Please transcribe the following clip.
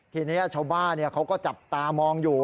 ทีนี้ชาวบ้านเขาก็จับตามองอยู่